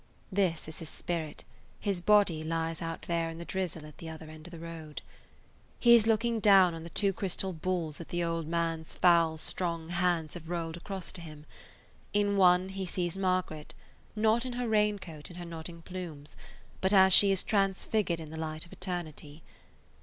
(This is his spirit; his body lies out there in the drizzle, at the other end of the road.) He is looking down on the two crystal balls that the old man's foul, strong hands have rolled across to him. In one he sees Margaret, not in her raincoat and her nodding plumes, but as she is transfigured in the light of eternity.